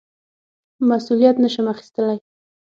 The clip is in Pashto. مسوولیت نه شم اخیستلای.